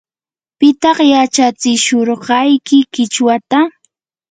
¿pitaq yachatsishurqayki qichwata?